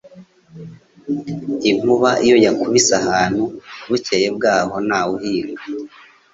Inkuba iyo yakubise ahantu, bukeye bw’aho ntawe uhinga,